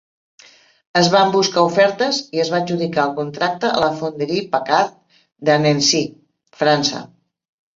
Es van buscar ofertes i es va adjudicar el contracte a la Fonderie Paccard de Annecy, França.